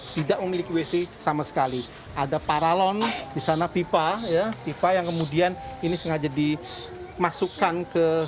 tidak memiliki wc sama sekali ada paralon di sana pipa ya ipaya kemudian ini sengaja di masukkan ke